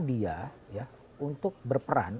dia ya untuk berperan